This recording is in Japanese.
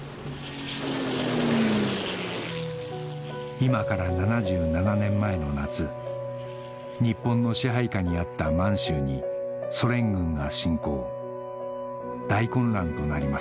今から７７年前の夏日本の支配下にあった満州にソ連軍が侵攻大混乱となります